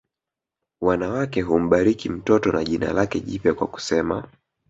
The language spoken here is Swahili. Wanawake humbariki mtoto na jina lake jipya kwa kusema